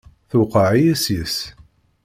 Tewqeɛ-iyi seg-s!